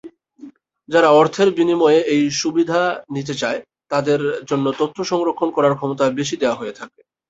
যারা অর্থের বিনিময়ে এই সুবিধা নিতে চায়, তাদের জন্য তথ্য সংরক্ষণ করার ক্ষমতা বেশি দেয়া হয়ে থাকে।